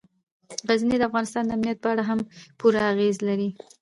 غزني د افغانستان د امنیت په اړه هم پوره اغېز لري.